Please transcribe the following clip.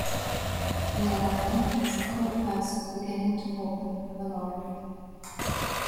They arrived as the courthouse was beginning to open for the morning.